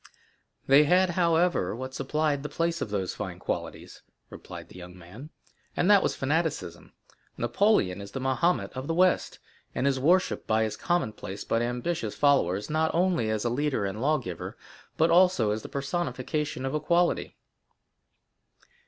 "They had, however, what supplied the place of those fine qualities," replied the young man, "and that was fanaticism. Napoleon is the Mahomet of the West, and is worshipped by his commonplace but ambitious followers, not only as a leader and lawgiver, but also as the personification of equality."